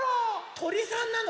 とりさんなの？